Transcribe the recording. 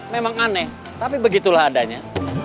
memang aneh tapi begitulah adanya